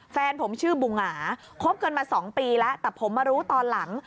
แฟนผมชื่อบูหงาคบกันมา๒ปีแล้วแต่ผมมารู้ตอนหลัง